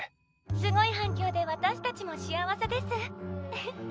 「すごいはんきょうで私たちも幸せです」。